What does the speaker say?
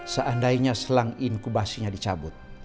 seandainya selang inkubasinya dicabut